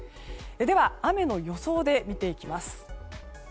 では、雨の予想で見ていきます。